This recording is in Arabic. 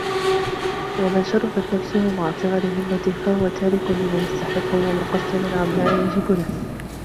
وَمَنْ شَرُفَتْ نَفْسُهُ مَعَ صِغَرِ هِمَّتِهِ فَهُوَ تَارِكٌ لِمَا يَسْتَحِقُّ وَمُقَصِّرٌ عَمَّا يَجِبُ لَهُ